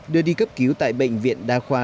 đưa đi cấp cứu tại bệnh viện đa khoa